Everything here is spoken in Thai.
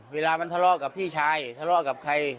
เวลามันทะเลาะกับพี่ชายทะเลาะกับใคร